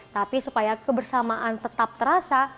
tapi supaya kebersamaan tetap terasa